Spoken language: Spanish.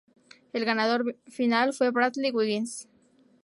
El ganador final fue Bradley Wiggins.